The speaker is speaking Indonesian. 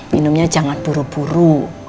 minumnya jangan buru buru